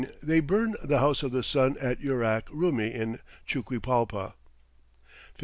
They burn the House of the Sun at Yurac Rumi in Chuquipalpa. 1571.